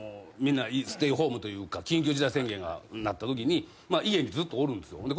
みんなステイホームというか緊急事態宣言になったときに家にずっとおるんですよ。